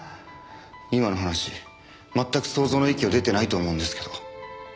今の話全く想像の域を出てないと思うんですけど。